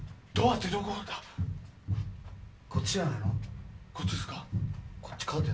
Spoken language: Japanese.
こっちじゃない？